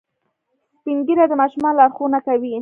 سپین ږیری د ماشومانو لارښوونه کوي